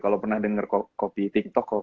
kalau pernah denger copy tiktok